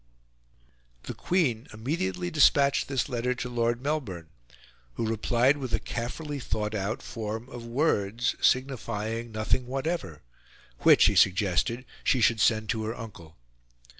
The Queen immediately despatched this letter to Lord Melbourne, who replied with a carefully thought out form of words, signifying nothing whatever, which, he suggested, she should send to her uncle.